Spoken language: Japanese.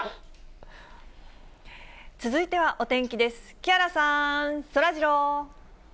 木原さん、そらジロー。